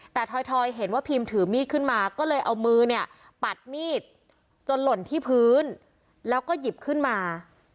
แต่ถอยเห็นว่าพิมถือมีดขึ้นมาก็เลยเอามือเนี่ยปัดมีดจนหล่นที่พื้นแล้วก็หยิบขึ้นมา